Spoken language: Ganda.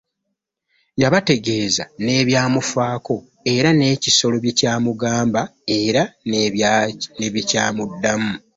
Yabategeeza n'ebyamufaako era n'ekisolo bye kyamugamba era naye bye yakiddamu.